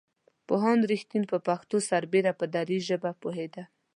پوهاند رښتین پر پښتو سربېره په دري ژبه پوهېده.